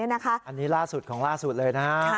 อันนี้ล่าสุดของล่าสุดเลยนะฮะ